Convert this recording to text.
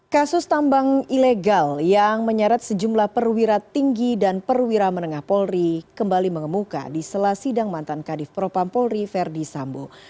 kasus tambang ilegal yang menyeret sejumlah perwira tinggi dan perwira menengah polri kembali mengemuka di sela sidang mantan kadif propam polri verdi sambo